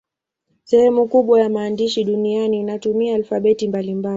Sehemu kubwa ya maandishi duniani inatumia alfabeti mbalimbali.